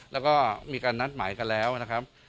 แล้วก็มีการนัดหมายกันแล้วนะครับ